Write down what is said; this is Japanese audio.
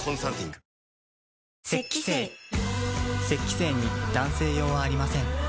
精に男性用はありません